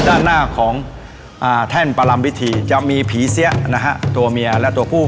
ด้านหน้าของแท่นประลำพิธีจะมีผีเสียนะฮะตัวเมียและตัวผู้